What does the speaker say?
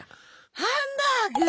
ハンバーグぅ！